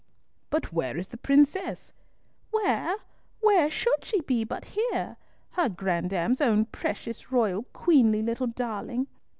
"But where is the princess?" "Where? Where should she be but here? Her grandame's own precious, royal, queenly little darling!"